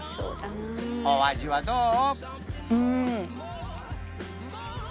お味はどう？